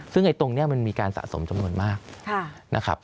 ซึ่งตรงนี้มันมีการสะสมจำนวนมากนะครับ